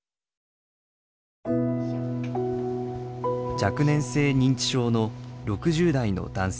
若年性認知症の６０代の男性。